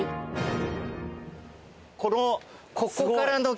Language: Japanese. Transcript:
この。